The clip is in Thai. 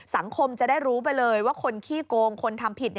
สังคมจะได้รู้ไปเลยว่าคนขี้โกงคนทำผิด